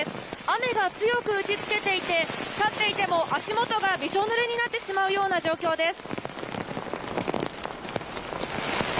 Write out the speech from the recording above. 雨が強く打ち付けていて立っていても足元がびしょぬれになってしまう状況です。